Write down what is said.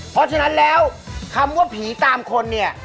เพราะฉะนั้นแล้วคำว่าผีตามคนเนี่ย